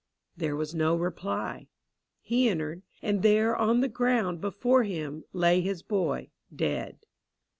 There was no reply. He entered, and there, on the ground before him, lay his boy, dead.